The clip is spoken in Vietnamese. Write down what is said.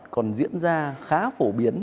còn diễn ra khá phổ biến